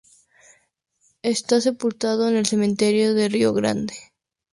Está sepultada en el cementerio de Río Grande.